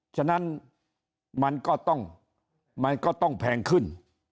ฉะนั้นมันก็ต้องแพงขึ้น